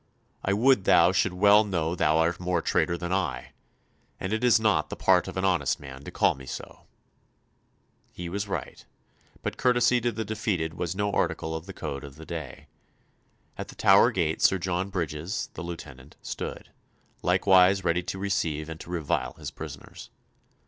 "I would thou should well know thou art more traitor than I; and it is not the part of an honest man to call me so." He was right; but courtesy to the defeated was no article of the code of the day. At the Tower Gate Sir John Bridges, the Lieutenant, stood, likewise ready to receive and to revile his prisoners.